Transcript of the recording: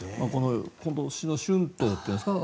今年の春闘というんですかね。